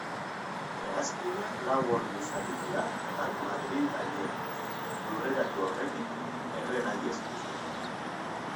Hegazkina lau orduz aritu da hegan Madril gainean, lurreratu aurretik erregaiez husteko.